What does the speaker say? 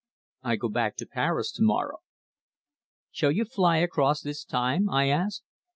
I go back to Paris to morrow." "Shall you fly across this time?" I asked.